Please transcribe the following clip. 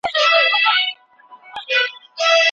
کتاب باید په پوره پاملرنه ولوستل سي.